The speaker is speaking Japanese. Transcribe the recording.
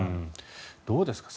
どうですか？